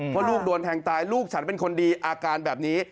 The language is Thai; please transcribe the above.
เพราะลูกโดนแทงตายลูกฉันเป็นคนดีอาการแบบนี้